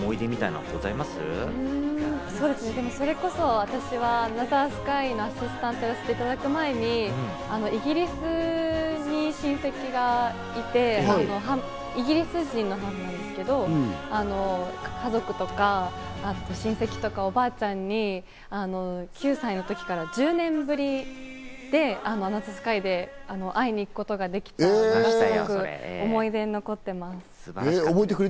それこそ私は『アナザースカイ』のアシスタントをやらせていただく前にイギリスに親戚がいて、イギリス人のハーフなんですけど、家族とか親戚とかおばあちゃんに９歳の時から１０年ぶりに『アナザースカイ』で会いに行くことができて思い出に残っています。